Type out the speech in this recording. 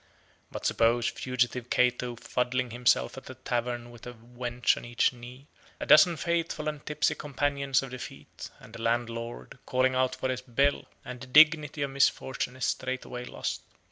But suppose fugitive Cato fuddling himself at a tavern with a wench on each knee, a dozen faithful and tipsy companions of defeat, and a landlord calling out for his bill; and the dignity of misfortune is straightway lost.